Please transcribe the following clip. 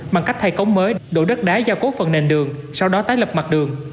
bằng cách thay cống mới đổ đất đá giao cố phần nền đường sau đó tái lập mặt đường